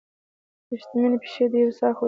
وریښمینې پښې دیوې ساه خوږیږي